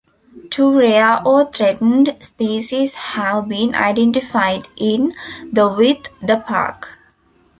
Two rare or threatened species have been identified in the with the park.